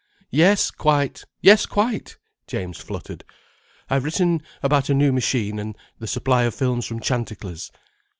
"Yes quite! Yes quite!" James fluttered. "I have written about a new machine, and the supply of films from Chanticlers."